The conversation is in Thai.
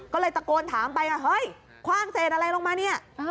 ก็เลยตะโกนถามไปว่าเฮ้ยคว่างเศษอะไรลงมาเนี่ย